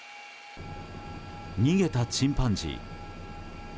逃げたチンパンジー。